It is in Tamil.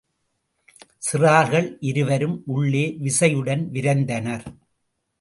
சிறார்கள் இருவரும் உள்ளே விசையுடன் விரைந்தனர்.